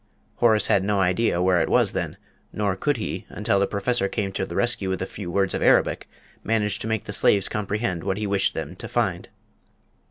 Horace had no idea where it was then, nor could he, until the Professor came to the rescue with a few words of Arabic, manage to make the slaves comprehend what he wished them to find.